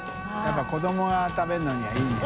辰子どもが食べるのにはいいね。